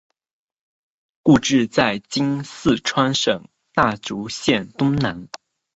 故治在今四川省大竹县东南。